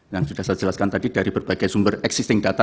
yang sudah saya jelaskan tadi dari berbagai sumber existing data